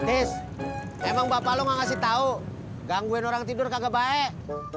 tis emang bapak lo nggak ngasih tau gangguin orang tidur kagak baik